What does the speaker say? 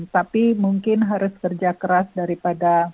tapi mungkin harus kerja keras daripada